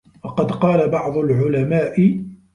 وَقَدْ قَالَ بَعْضُ الْعُلَمَاءِ